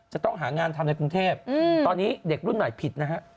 จะต้องหางานทำในกรุงเทพตอนนี้เด็กรุ่นใหม่ผิดนะฮะ